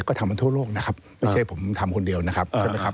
ก็ทำทั้งทั่วโลกนะครับไม่ใช่ผมทำคนเดียวนะครับ